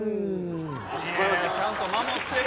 ちゃんと守ってる。